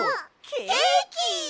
ケーキ！